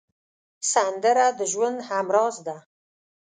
سندره د ژوند همراز ده